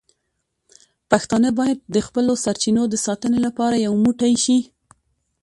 پښتانه باید د خپلو سرچینو د ساتنې لپاره یو موټی شي.